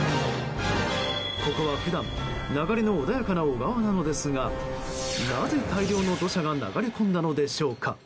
ここは普段流れの穏やかな小川なのですがなぜ大量の土砂が流れ込んだのでしょうか。